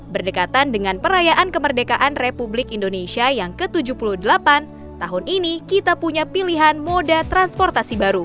berdekatan dengan perayaan kemerdekaan republik indonesia yang ke tujuh puluh delapan tahun ini kita punya pilihan moda transportasi baru